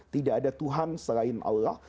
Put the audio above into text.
tidak ada tuhan selain allah